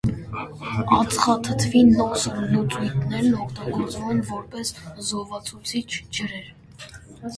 Ածխաթթվի նոսր լուծույթներն օգտագործվում են որպես զովացուցիչ ջրեր։